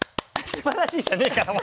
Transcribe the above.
「すばらしい」じゃねえから！